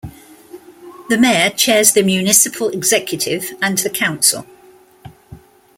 The mayor chairs the municipal executive and the council.